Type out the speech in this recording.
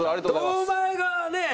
堂前がね。